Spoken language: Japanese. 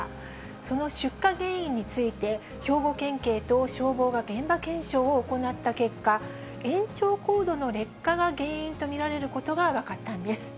その出火原因について、兵庫県警と消防が現場検証を行った結果、延長コードの劣化が原因と見られることが分かったんです。